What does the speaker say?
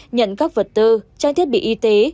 nhận các vật tư trang thiết bị y tế